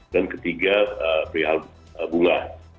dan ketiga prihal bunga